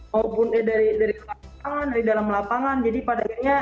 maupun dari dalam lapangan jadi padanya